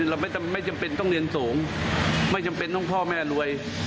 เราไม่จำเป็นต้องเรียนสูงไม่จำเป็นต้องพ่อแม่รวย